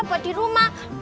buat di rumah